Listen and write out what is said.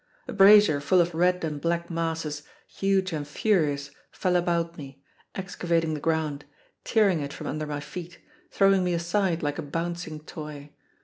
A brasier full of red and black masses huge and furious fell about me, excavating the ground, tearing it from under my feet, throwing me aside like a bouncing toy.